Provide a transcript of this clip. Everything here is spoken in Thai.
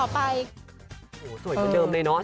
โอ้โฮสวยประเดิมเลยเนอะจริง